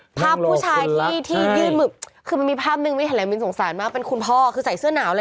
ภาพผู้ชายที่ยื่นแม่งคิดซับ๐๑นี่มีท่านแผนมิวสงสารมากคุณพ่อคือใส่เสื้อหนาวเลยนะ